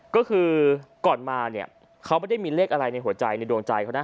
ก็คือก่อนมาเนี่ยเขาไม่ได้มีเลขอะไรในหัวใจในดวงใจเขานะ